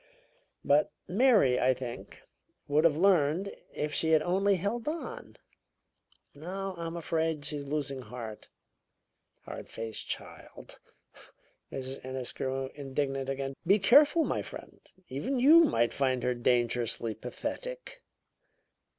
But Mary, I think, would have learned if she had only held on. Now, I'm afraid, she's losing heart. Hard faced child!" Mrs. Ennis grew indignant again. "Be careful my friend; even you might find her dangerously pathetic."